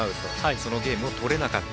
そのゲームを取れなかった。